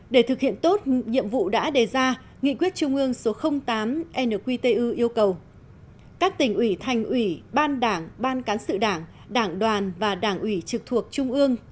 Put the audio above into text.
để thực hiện tốt nhiệm vụ đã đề ra nghị quyết trung ương số tám nqtu yêu cầu các tỉnh ủy thành ủy ban đảng ban cán sự đảng đảng đoàn và đảng ủy trực thuộc trung ương